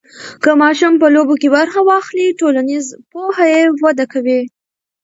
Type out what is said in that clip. که ماشوم په لوبو کې برخه واخلي، ټولنیز پوهه یې وده کوي.